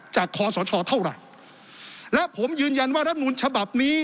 คอสชเท่าไหร่และผมยืนยันว่ารัฐมนูลฉบับนี้